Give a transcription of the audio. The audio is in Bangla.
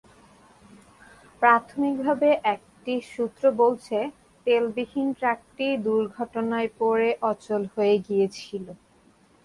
প্রাথমিকভাবে একটি সূত্র বলছে, তেলবাহী ট্রাকটি দুর্ঘটনায় পড়ে অচল হয়ে গিয়েছিল।